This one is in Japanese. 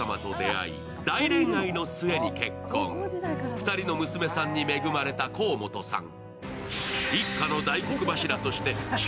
２人の娘さんに恵まれた河本さん